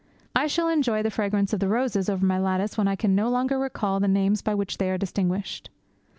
I shall enjoy the fragrance of the roses over my lattice when I can no longer recall the names by which they are distinguished.